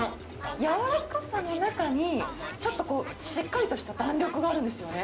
柔らかさの中に、ちょっとこう、しっかりとした弾力があるんですよね。